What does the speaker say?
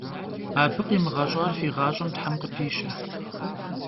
Abı khimığeş'ar fi ğaş'em them khıpişe.